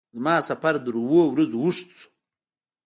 زما سفر تر اوو ورځو اوږد شو.